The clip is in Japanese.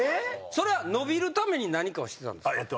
それは伸びるために何かをしてたんですか？